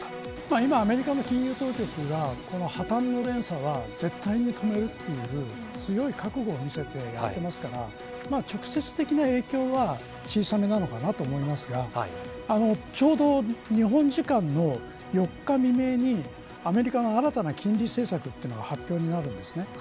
今アメリカの金融当局は破綻の連鎖は絶対に止めるという強い覚悟を見せてやってますから直接的な影響は小さめなのかなと思いますがちょうど日本時間の４日未明にアメリカの新たな金利政策が発表になるんですね。